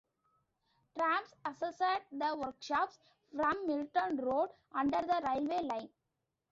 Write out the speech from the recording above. Trams accessed the workshops from Milton Road, under the railway line.